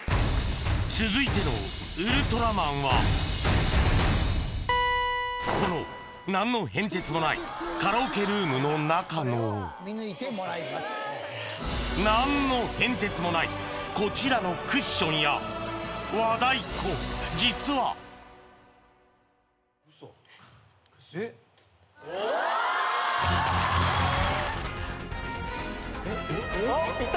続いてのウルトラマンはこの何の変哲もないカラオケルームの中の何の変哲もないこちらのクッションや和太鼓実は・ウソえっ？・・あっ